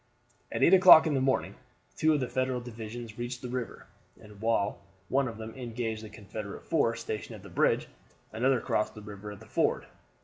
At eight o'clock in the morning two of the Federal divisions reached the river, and while one of them engaged the Confederate force stationed at the bridge, another crossed the river at a ford.